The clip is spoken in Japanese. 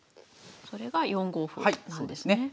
それが４五歩なんですね。